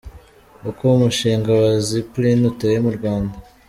Uko umushinga wa Zipline uteye mu Rwanda.